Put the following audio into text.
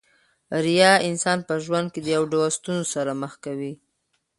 ریاء انسان په ژوند کښي د يو ډول ستونزو سره مخ کوي.